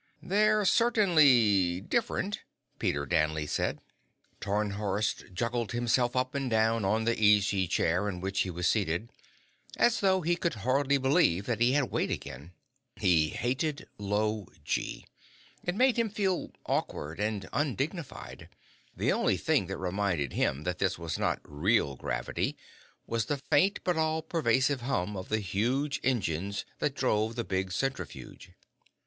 "They're certainly different," Peter Danley said. Tarnhorst juggled himself up and down on the easy chair in which he was seated, as though he could hardly believe that he had weight again. He hated low gee. It made him feel awkward and undignified. The only thing that reminded him that this was not "real" gravity was the faint, but all pervasive hum of the huge engines that drove the big centrifuge.